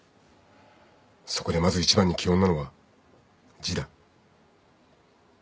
そこでまず一番に基本なのは字だ。